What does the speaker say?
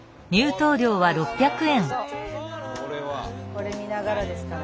これ見ながらですから。